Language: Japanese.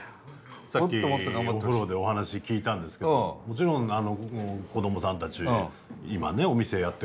さっきお風呂でお話聞いたんですけどもちろん子どもさんたち今ねお店やってくれて感謝はしてると。